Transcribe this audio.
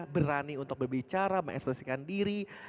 berani untuk berbicara mengekspresikan diri